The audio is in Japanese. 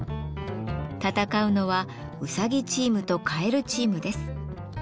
戦うのはうさぎチームとかえるチームです。